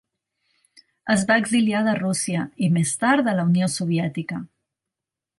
Es va exiliar de Rússia i més tard de la Unió Soviètica.